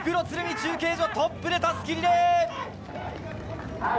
中継所、トップでたすきリレー。